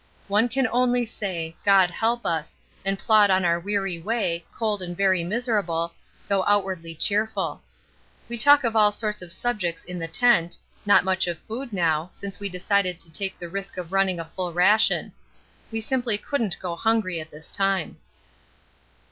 One can only say 'God help us!' and plod on our weary way, cold and very miserable, though outwardly cheerful. We talk of all sorts of subjects in the tent, not much of food now, since we decided to take the risk of running a full ration. We simply couldn't go hungry at this time.